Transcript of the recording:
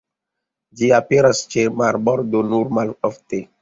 Ĝi aperas ĉe marbordo nur malofte.